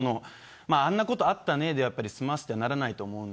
この問題は今後あんなことがあったねで済ませてはならないと思います。